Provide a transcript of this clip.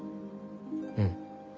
うん。